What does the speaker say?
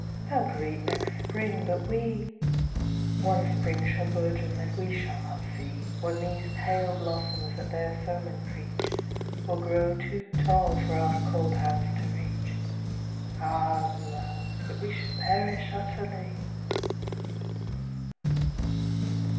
"They'll greet next Spring, but we â ! One Spring shall bourgeon that we shall not see. When these pale blossoms that their sermon preach Will grow too tall for our cold hands to reach. Ah, love, that we should perish utterly!"